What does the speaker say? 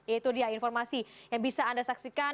itu dia informasi yang bisa anda saksikan